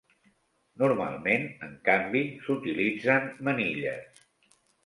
Normalment, en canvi, s"utilitzen manilles.